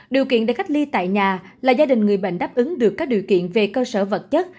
điều kiện để cách ly tại nhà là gia đình người bệnh đáp ứng được các điều kiện về cơ sở vật chất